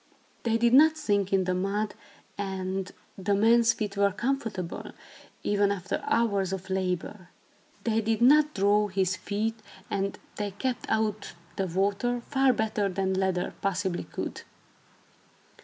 They did not sink in the mud and the man's feet were comfortable, even after hours of labor. They did not "draw" his feet, and they kept out the water far better than leather possibly could.